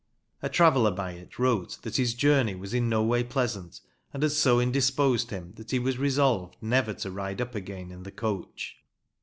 A traveller by it wrote that his journey was no way pleasant, and had so indisposed him that he was resolved never to ride up again in the coach.